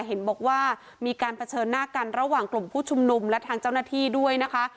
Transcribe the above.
เห็นบอกว่ามีการเผชิญหน้ากันระหว่างกลุ่มผู้ชุมนุมและทางเจ้าหน้าที่ด้วยนะคะ